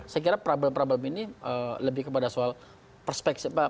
saya kira problem problem ini lebih kepada soal perspektif yang kurang lebih terhadap kemampuan